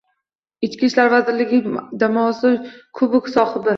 Ichki ishlar vazirligi jamoasi kubok sohibi